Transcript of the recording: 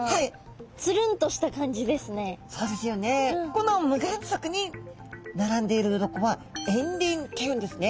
この無眼側に並んでいる鱗は円鱗っていうんですね。